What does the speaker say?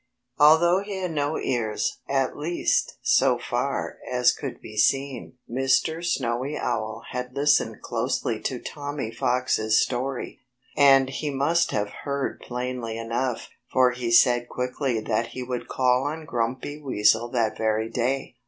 Although he had no ears (at least, so far as could be seen) Mr. Snowy Owl had listened closely to Tommy Fox's story. And he must have heard plainly enough, for he said quickly that he would call on Grumpy Weasel that very day.